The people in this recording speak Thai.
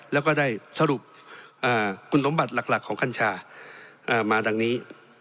แล้วก็ได้สรุปคุณสมบัติหลักของกัญชามาดังนี้